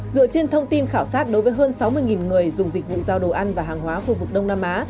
dựa trên thông tin khảo sát đối với hơn sáu mươi người dùng dịch vụ giao đồ ăn và hàng hóa khu vực đông nam á